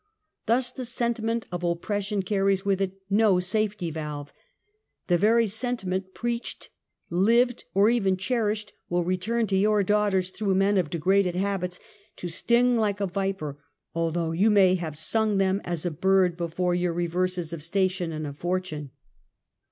Thus the sentiment of oppres sion carries with it no safety valve. The veiy senti ment preached, lived or even cherished will return to your daughters through men of degraded habits, to sting like a viper, although you may have sung them as a bird before your reverses of station and of for tune.